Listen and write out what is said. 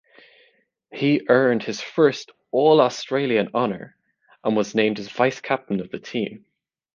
He earned his first All-Australian honour and was named as vice-captain of the team.